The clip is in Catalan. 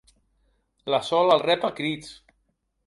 La Sol el rep a crits.